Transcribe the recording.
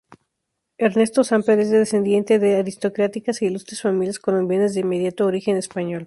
Ernesto Samper es descendiente de aristocráticas e ilustres familias colombianas, de inmediato origen español.